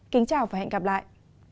kính chào và hẹn gặp lại